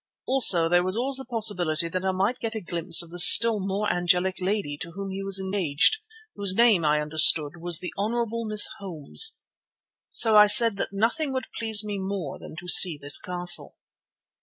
Also there was always the possibility that I might get a glimpse of the still more angelic lady to whom he was engaged, whose name, I understood, was the Hon. Miss Holmes. So I said that nothing would please me more than to see this castle.